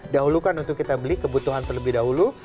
dahulukan untuk kita beli kebutuhan terlebih dahulu